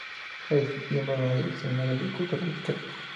Es miembro honorario del Seminario de Cultura Mexicana.